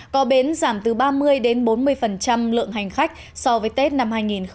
có bến giảm từ ba mươi đến bốn mươi lượng hành khách so với tết năm hai nghìn một mươi chín